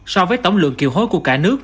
so với tổng lượng kiều hối của cả nước